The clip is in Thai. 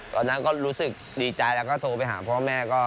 ตอนนั้นก็รู้สึกดีใจแล้วก็โทรไปหาพ่อแม่ก็